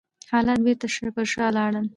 حالات بېرته پر شا لاړل.